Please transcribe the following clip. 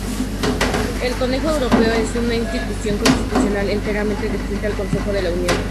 El Consejo Europeo es una Institución constitucional enteramente distinta del Consejo de la Unión.